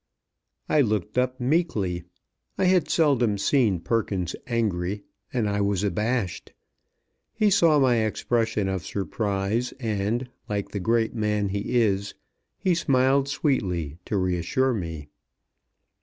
I looked up meekly. I had seldom seen Perkins angry, and I was abashed. He saw my expression of surprise; and, like the great man he is, he smiled sweetly to reassure me.